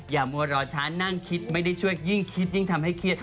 มัวรอช้านั่งคิดไม่ได้ช่วยยิ่งคิดยิ่งทำให้เครียด